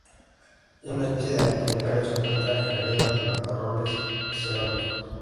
Es una especie de hábito gregario, se encuentra en arena en matorrales xerófilos.